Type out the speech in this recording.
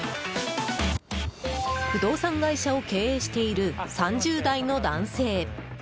不動産会社を経営している３０代の男性。